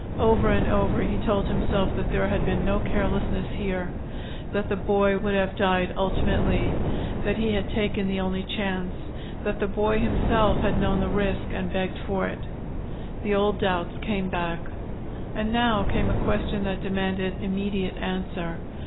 Over and over he told himself that there had been no carelessness here, that the boy would have died ultimately, that he had taken the only chance, that the boy himself had known the risk and begged for it. The old doubts came back. And now came a question that demanded immediate answer.